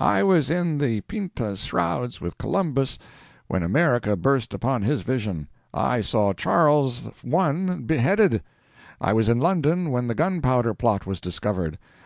I was in the Pinta's shrouds with Columbus when America burst upon his vision. I saw Charles I beheaded. I was in London when the Gunpowder Plot was discovered.